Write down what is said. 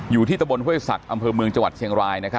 อยู่ที่ตะบนห้วยศักดิ์อำเภอเมืองจังหวัดเชียงราย